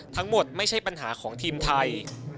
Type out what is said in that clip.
ทั้งหมดไม่ใช่ปัญหาของทีมไทย